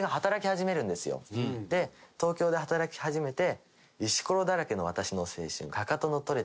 東京で働き始めて。